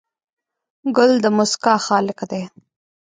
ګل د موسکا خالق دی.